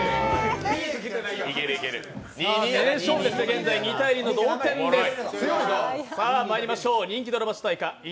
現在２−２の同点です。